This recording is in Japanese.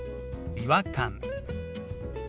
「違和感」。